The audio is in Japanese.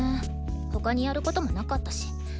他にやることもなかったし。